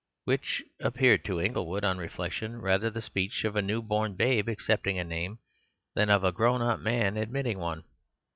Which appeared to Inglewood, on reflection, rather the speech of a new born babe accepting a name than of a grown up man admitting one.